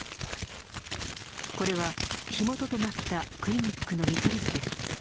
これは火元となったクリニックの見取り図です。